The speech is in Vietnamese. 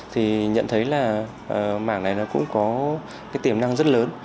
thì nhận thấy là mảng này nó cũng có cái tiềm năng rất lớn